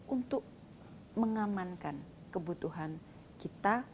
untuk mengamankan kebutuhan kita